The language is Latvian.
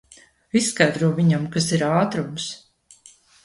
Izskaidro viņam, kas ir ātrums.